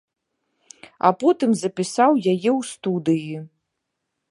А потым запісаў яе ў студыі.